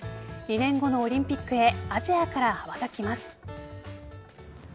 ２年後のオリンピックへアジアから羽ばたきます。